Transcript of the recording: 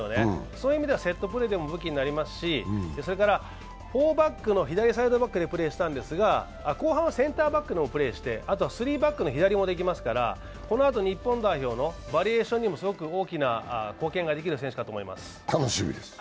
そういう意味ではセットプレーでも武器になりますし、それからフォーバックの左サイドバックでプレーしたんですが、後半はセンターバックでもプレーして、あとはスリーバックの左もできますからこのあと日本代表のバリエーションにも大きく貢献ができる選手かと思います。